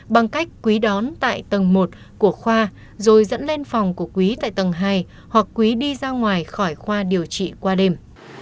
bằng cách quý đón tại tầng một của khoa rồi dẫn lên phòng của quý tại tầng hai hoặc quý đi ra ngoài khỏi khoa điều trị qua đêm